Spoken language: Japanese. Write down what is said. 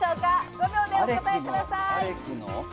５秒でお答えください。